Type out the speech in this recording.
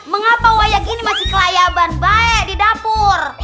mengapa waya gini masih kelayaban baik di dapur